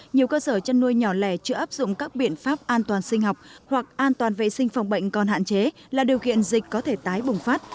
nhiều cơ sở chăn nuôi nhỏ lẻ chưa áp dụng các biện pháp an toàn sinh học hoặc an toàn vệ sinh phòng bệnh còn hạn chế là điều kiện dịch có thể tái bùng phát